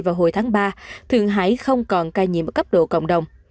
vào hồi tháng ba thượng hải không còn ca nhiễm ở cấp độ cộng đồng